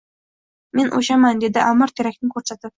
— Men oʼshaman! — dedi Аmir terakni koʼrsatib.